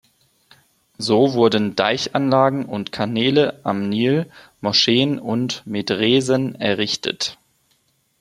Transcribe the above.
So wurden Deichanlagen und Kanäle am Nil, Moscheen und Medresen errichtet.